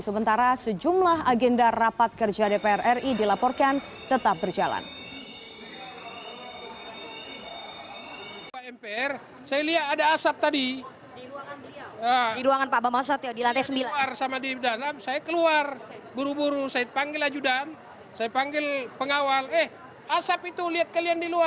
sementara sejumlah agenda rapat kerja dpr ri dilaporkan tetap berjalan